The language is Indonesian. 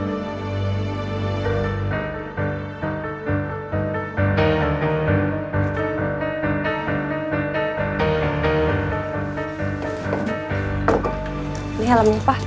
ini helmnya pak